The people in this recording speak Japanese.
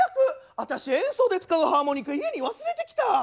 あたし演奏で使うハーモニカ家に忘れてきた！